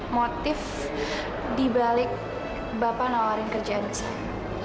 motif dibalik bapak nawarin kerjaan ke saya